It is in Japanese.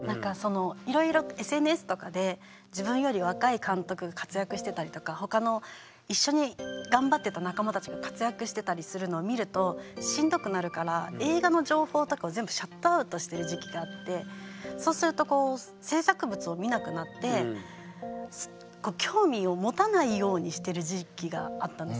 いろいろＳＮＳとかで自分より若い監督が活躍してたりとか他の一緒に頑張ってた仲間たちが活躍してたりするのを見るとしんどくなるからしてる時期があってそうすると制作物を見なくなって興味を持たないようにしてる時期があったんですね。